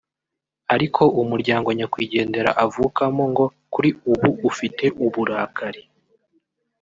ariko umuryango nyakwigendera avukamo ngo kuri ubu ufite uburakari